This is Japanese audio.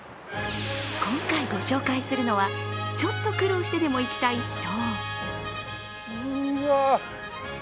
今回ご紹介するのは、ちょっと苦労してでも行きたい秘湯。